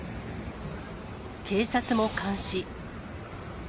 警察も監視。